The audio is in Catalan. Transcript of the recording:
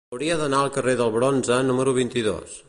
Hauria d'anar al carrer del Bronze número vint-i-dos.